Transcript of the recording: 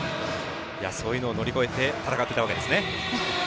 そういうのを乗り越えて戦ってきたわけですね。